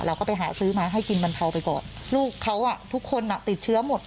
เราก็ไปหาซื้อมาให้กินบรรเทาไปก่อนลูกเขาอ่ะทุกคนอ่ะติดเชื้อหมด